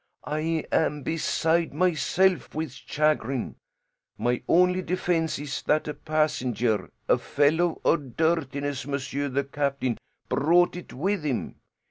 I am beside myself with chagrin. My only defense is that a passenger a fellow of dirtiness, monsieur the captain brought it with him.